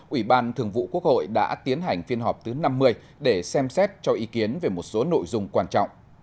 ủy ban thường vụ quốc hội đã tiến hành phiên họp thứ năm mươi để xem xét cho ý kiến về một số nội dung quan trọng